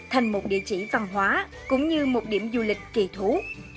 thành một địa chỉ văn hóa cũng như một điểm du lịch kỳ thú